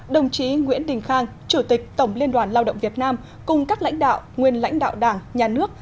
đồng chí nguyễn đình khang chủ tịch tổng liên đoàn lao động việt nam cùng các lãnh đạo nguyên lãnh đạo đảng nhà nước